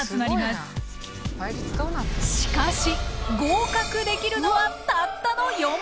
しかし合格できるのはたったの４％！